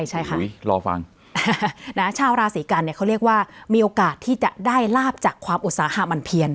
ยังยังค่ะชาวราศรีกัณฐ์เขาเรียกว่ามีโอกาสที่จะได้ราบจากความอุตสาหะหมั่นเพียน